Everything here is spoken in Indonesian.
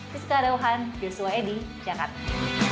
fizika dauhan yusuf waedi jakarta